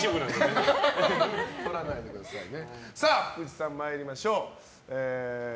福地さん、参りましょう。